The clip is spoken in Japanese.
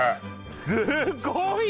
すっごい！